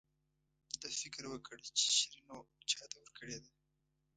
ده فکر وکړ چې شیرینو چاته ورکړې ده.